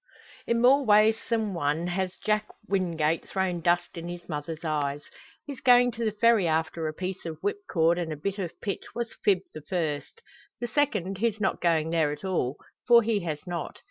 In more ways than one has Jack Wingate thrown dust in his mother's eyes. His going to the Ferry after a piece of whipcord and a bit of pitch was fib the first; the second his not going there at all for he has not.